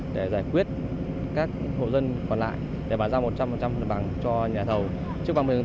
để giải quyết các hộ dân còn lại để bán ra một trăm linh bằng cho nhà thầu trước ba mươi tháng bốn